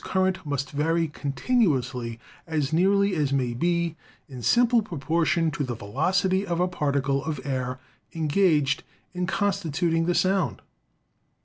current must vary continuously as nearly as may be in simple proportion to the velocity of a particle of air en gaged in constituting the sound?"